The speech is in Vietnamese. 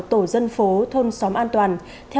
tổ dân phố thôn xóm an toàn